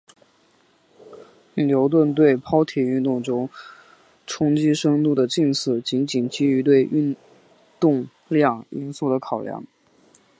牛顿对抛体运动中冲击深度的近似仅仅基于对动量因素的考量。